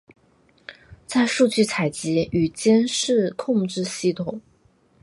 在数据采集与监视控制系统。